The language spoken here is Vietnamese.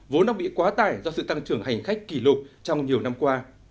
vốn đã bị quá tải do sự tăng trưởng hành khách kỷ lục trong nhiều năm qua